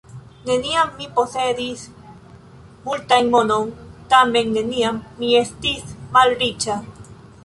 Neniam mi posedis multan monon, tamen neniam mi estis malriĉa.